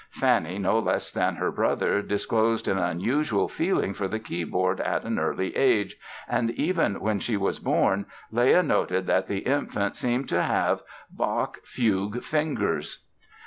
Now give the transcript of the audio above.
Fanny no less than her brother disclosed an unusual feeling for the keyboard at an early age and even when she was born Leah noted that the infant seemed to have "Bach fugue fingers".